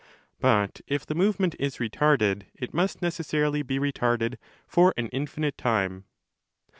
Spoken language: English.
But if the movement is retarded it must necessarily be retarded for an infinite time."